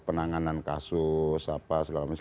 penanganan kasus apa segala macam